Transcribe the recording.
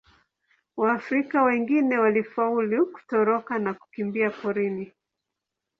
Waafrika wengine walifaulu kutoroka na kukimbia porini.